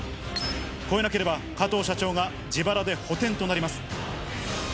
超えなければ、加藤社長が自腹で補填となります。